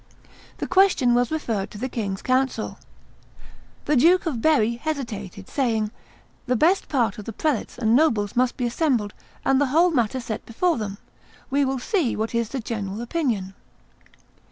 The question was referred to the king's council. The Duke of Berry hesitated, saying, "The best part of the prelates and nobles must be assembled and the whole matter set before them; we will see what is the general opinion."